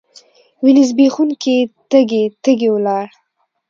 وینې ځبېښونکي تږي، تږي ولاړ